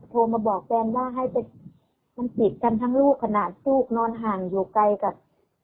โทรมาบอกแฟนว่าให้ไปมันติดกันทั้งลูกขนาดลูกนอนห่างอยู่ไกลกับ